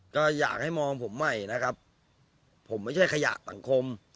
ก็อยากให้มองผมใหม่นะครับผมไม่ใช่ขยะสังคม